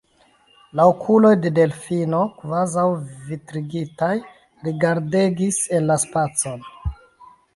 La okuloj de Delfino, kvazaŭ vitrigitaj, rigardegis en la spacon.